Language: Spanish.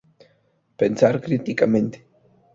Pensar Críticamente.